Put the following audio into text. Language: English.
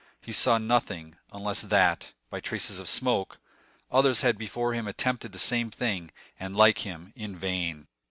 He saw nothing, unless that, by traces of smoke, others had before him attempted the same thing, and, like him, in vain.